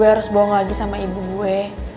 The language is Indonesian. gue harus bohong lagi sama ibu gue